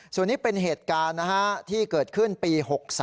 ส่วนนี้เป็นเหตุการณ์ที่เกิดขึ้นปี๖๓